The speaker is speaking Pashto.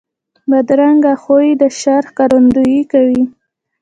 بدرنګه خوی د شر ښکارندویي کوي